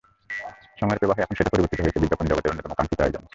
সময়ের প্রবাহে এখন সেটা পরিবর্তিত হয়েছে বিজ্ঞাপন জগতের অন্যতম কাঙ্ক্ষিত আয়োজনে।